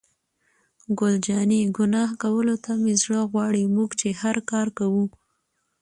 ګل جانې: ګناه کولو ته مې زړه غواړي، موږ چې هر کار کوو.